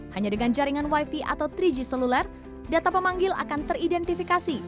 hanya dengan jaringan wifi atau tiga g seluler data pemanggil akan teridentifikasi